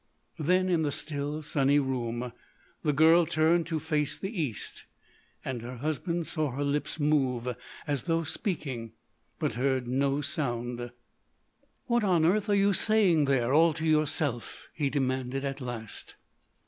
Then, in the still, sunny room, the girl turned to face the East. And her husband saw her lips move as though speaking, but heard no sound. "What on earth are you saying there, all to yourself?" he demanded at last.